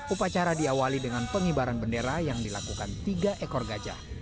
upacara diawali dengan pengibaran bendera yang dilakukan tiga ekor gajah